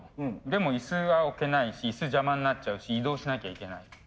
でも椅子は置けないし椅子邪魔になっちゃうし移動しなきゃいけない。